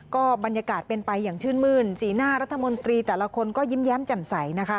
ก็บรรยากาศเป็นไปอย่างชื่นมื้นสีหน้ารัฐมนตรีแต่ละคนก็ยิ้มแย้มแจ่มใสนะคะ